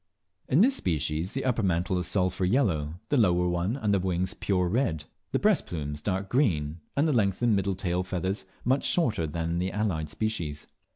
In this species the upper mantle is sulphur yellow, the lower one and the wings pure red, the breast plumes dark green, and the lengthened middle tail feathers much shorter than in the allied species.